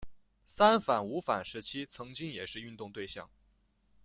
三反五反时期曾经也是运动对象。